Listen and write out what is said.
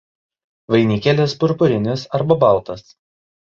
Vainikėlis purpurinis arba baltas.